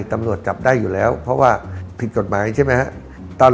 ตำรวจจับได้อยู่แล้วเพราะว่าผิดกฎหมายใช่ไหมครับ